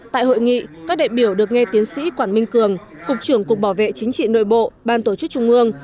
tại hội nghị các đại biểu được nghe tiến sĩ quản minh cường cục trưởng cục bảo vệ chính trị nội bộ ban tổ chức trung ương